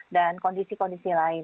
dan kondisi kondisi lain